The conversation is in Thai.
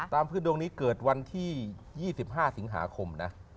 พื้นดวงนี้เกิดวันที่๒๕สิงหาคมนะ